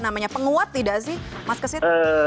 namanya penguat tidak sih mas kesit